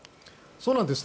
そうなんです。